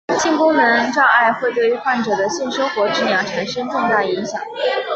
性功能障碍会对患者的性生活质量产生重大影响。